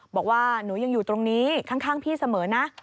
บอกว่าหนูยังอยู่ตรงนี้ข้างพี่เสมอนะ